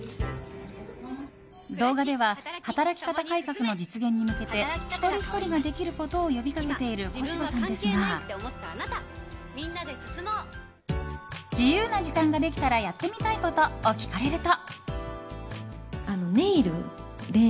動画では働き方改革の実現に向けて一人ひとりができることを呼びかけている小芝さんですが自由な時間ができたらやってみたいことを聞かれると。